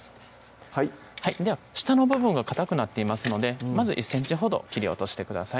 はいでは下の部分がかたくなっていますのでまず１ｃｍほど切り落としてください